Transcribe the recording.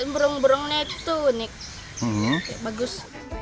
burung burungnya itu unik bagus